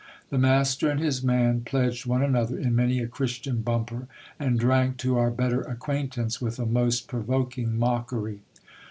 The master and his man pledged one another in many a Christian bumper, and drank to our better acquaintance with a most provoking mockery.